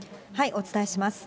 お伝えします。